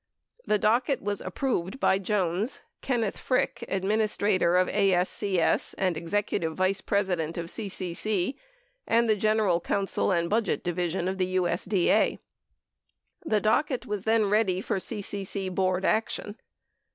The docket was approved by Jones, Kenneth Frick, Administrator of ASCS and Executive Vice President of CCC, and the General Counsel and Budget Division of USD A. The docket was then ready for CCC Board action.